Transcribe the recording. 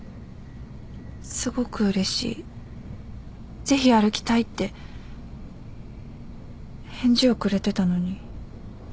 「すごくうれしいぜひ歩きたい」って返事をくれてたのに。